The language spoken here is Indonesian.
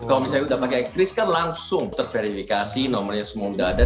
kalau misalnya sudah pakai cris kan langsung terverifikasi nomornya semua sudah ada